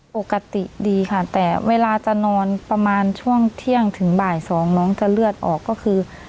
ปกติดีค่ะแต่เวลาจะนอนประมาณช่วงเที่ยงถึงบ่ายสองน้องจะเลือดออกก็คือ